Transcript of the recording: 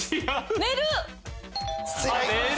寝る！